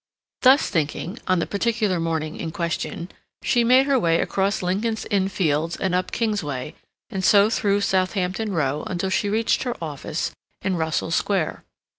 Thus thinking, on the particular morning in question, she made her away across Lincoln's Inn Fields and up Kingsway, and so through Southampton Row until she reached her office in Russell Square.